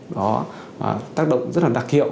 đó tác động rất là đặc hiệu